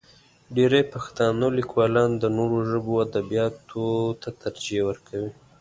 ډېری پښتانه لیکوالان د نورو ژبو ادبیاتو ته ترجیح ورکوي.